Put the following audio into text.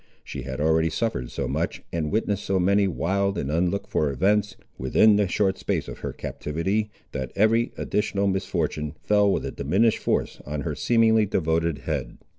She had already suffered so much, and witnessed so many wild and unlooked for events, within the short space of her captivity, that every additional misfortune fell with a diminished force on her seemingly devoted head.